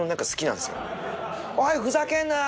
「おいふざけんな！」